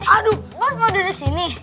aduh bos mau duduk sini